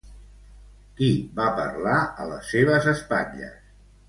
Qui va parlar a les seves espatlles?